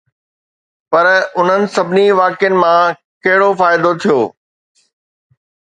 پر انهن سڀني واقعن مان ڪهڙو فائدو ٿيو؟